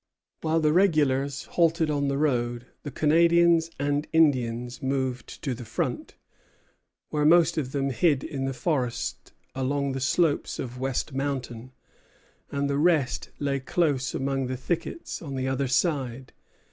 While the regulars halted on the road, the Canadians and Indians moved to the front, where most of them hid in the forest along the slopes of West Mountain, and the rest lay close among the thickets on the other side.